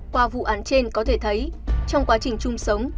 qua vụ án trên có thể thấy trong quá trình chung sống